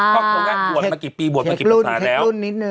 พระองค์อาจบวนมากี่ปีบวนมากี่ปีแล้ว